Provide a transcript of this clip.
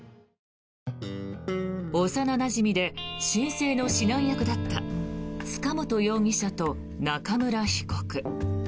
幼なじみで申請の指南役だった塚本容疑者と中村被告。